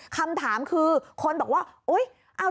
คำถามคือคนบอกว่า